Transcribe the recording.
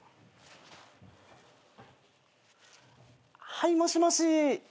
はいもしもし。